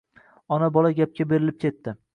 Ona-bola gapga berilib ketdi.